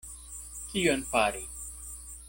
Kion fari?